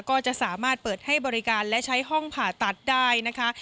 ก็จะสามารถเปิดให้บริการและใช้ห้องผ่าตัดได้นะคะ